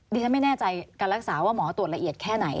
ดิฉันไม่แน่ใจการรักษาว่าหมอตรวจละเอียดแค่ไหน